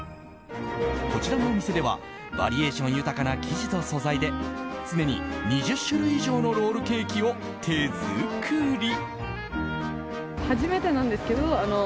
こちらのお店ではバリエーション豊かな生地と素材で常に２０種類以上のロールケーキを手作り。